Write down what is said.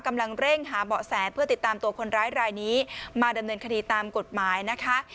กำลังเร่งหาเบาะแสเพื่อติดตามตัวคนร้ายรายนี้มาดำเนินคดีตามกฎหมายนะคะ